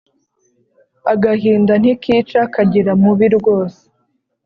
agahinda ntikica kagira mubi rwose